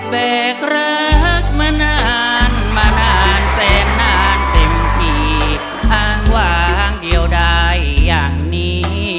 แบกรักมานานมานานแสนนานเต็มทีอ้างวางเดียวได้อย่างนี้